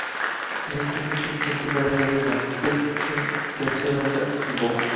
- Men siz uchun ikkinchi darajaliman! Siz uchun birinchi o'rinda - Futbol!!